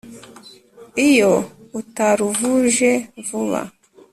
iyo utaruvuje vuba